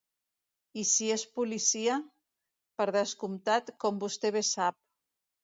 I si és policia, per descomptat, com vostè bé sap.